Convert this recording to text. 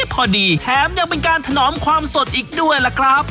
พอดีแถมยังเป็นการถนอมความสดอีกด้วยล่ะครับ